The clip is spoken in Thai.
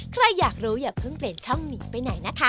ใครอยากรู้อย่าเพิ่งเปลี่ยนช่องหนีไปไหนนะคะ